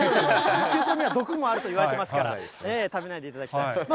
球根には毒もあるといわれてますから、食べないでいただきたい。